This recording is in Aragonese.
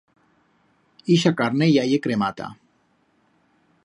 Ixa carne ya ye cremata.